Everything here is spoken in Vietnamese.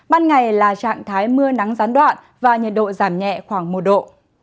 ban ngày là trạng thái mưa nắng gián đoạn và nhiệt độ giảm nhẹ khoảng một độ